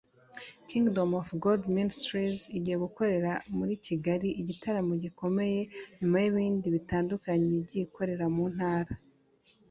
Kingdom of God Ministries igiye gukorera muri Kigali igitaramo gikomeye nyuma y'ibindi bitandukanye yagiye ikorera mu Ntara